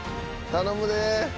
頼むで！